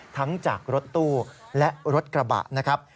ทั้งจากรถตู้และรถกระบะนะครับ